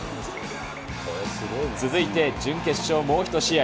続いて準決勝もう１試合。